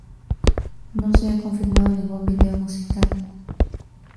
No se ha confirmado ningún vídeo musical.